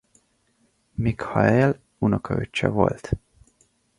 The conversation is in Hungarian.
Mikhaél unokaöccse volt.